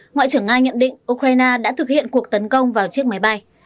ngoại trưởng nga nhận định ukraine đã thực hiện cuộc tấn công vào chiếc máy bay